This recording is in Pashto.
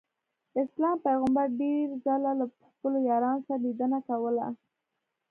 اسلام پیغمبر ډېر ځله له خپلو یارانو سره لیدنه کوله.